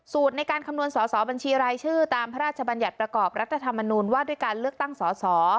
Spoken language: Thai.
ในการคำนวณสอสอบัญชีรายชื่อตามพระราชบัญญัติประกอบรัฐธรรมนูญว่าด้วยการเลือกตั้งสอสอ